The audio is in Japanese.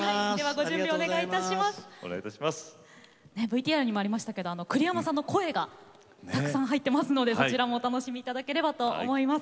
ＶＴＲにもありましたけど栗山さんの声がたくさん入ってますのでそちらもお楽しみいただければと思います。